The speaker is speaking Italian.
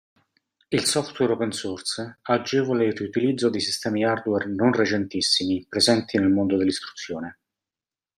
Il software open source agevola il riutilizzo di sistemi hardware non recentissimi presenti nel mondo dell'istruzione.